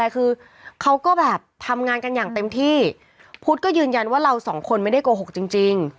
คือเขาก็แบบทำงานกันอย่างเต็มที่พุทธก็ยืนยันว่าเราสองคนไม่ได้โกหกจริง